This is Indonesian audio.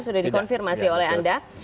sudah dikonfirmasi oleh anda